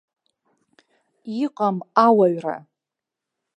Иҟам ауаҩра!